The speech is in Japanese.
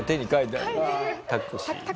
「タクシー」。